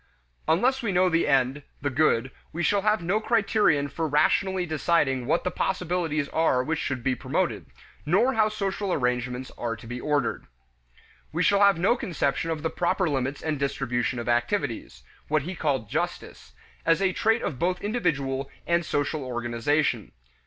Unless we know the end, the good, we shall have no criterion for rationally deciding what the possibilities are which should be promoted, nor how social arrangements are to be ordered. We shall have no conception of the proper limits and distribution of activities what he called justice as a trait of both individual and social organization.